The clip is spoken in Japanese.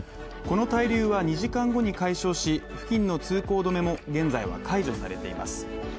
この滞留は２時間後に解消し、付近の通行止めも、現在は解除されています。